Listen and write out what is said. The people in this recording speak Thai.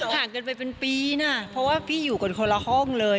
ห่างกันไปเป็นปีนะเพราะว่าพี่อยู่กันคนละห้องเลย